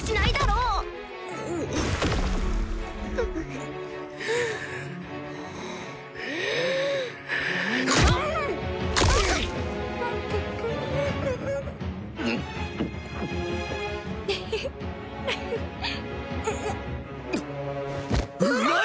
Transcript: うまい！